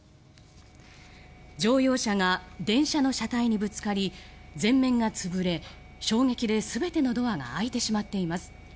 乗用車が電車の車体にぶつかり前面が潰れ、衝撃で全てのドアが開いてしまっています。